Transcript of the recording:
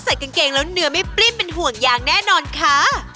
กางเกงแล้วเนื้อไม่ปริ้นเป็นห่วงอย่างแน่นอนค่ะ